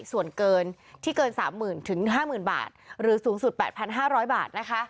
ส่วนเกินที่เกิน๓๐๐๐๕๐๐๐บาทหรือสูงสุด๘๕๐๐บาทนะคะ